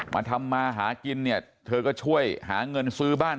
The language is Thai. มาทำมาหากินเนี่ยเธอก็ช่วยหาเงินซื้อบ้าน